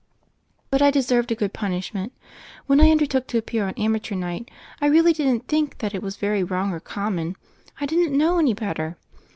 "But I deserved a good punishment. When I undertook to appear on ^Amateur Night' I really didn't think it was very wrong or com mon. I didn't know any better.